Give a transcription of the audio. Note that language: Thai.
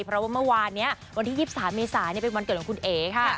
เพราะว่าเมื่อวานนี้วันที่๒๓เมษาเป็นวันเกิดของคุณเอ๋ค่ะ